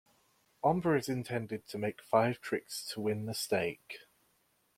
Ombre is intended to make five tricks to win the stake.